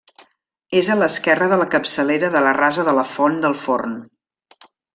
És a l'esquerra de la capçalera de la Rasa de la Font del Forn.